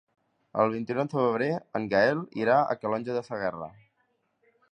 El vint-i-nou de febrer en Gaël irà a Calonge de Segarra.